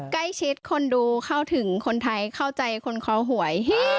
ใกล้ชิดคนดูเข้าถึงคนไทยเข้าใจคนเค้าหวย